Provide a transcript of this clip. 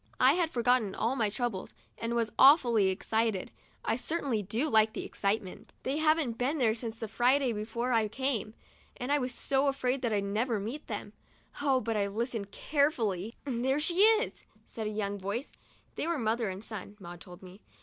I had forgotten all my troubles, and was awfully excited. I certainly do like excitement. They haven't been here since the Friday before I came, and I was so afraid that I'd never meet them! Oh! but I listened carefully. There she is!" said a young voice (they were mother and son, Maud told me).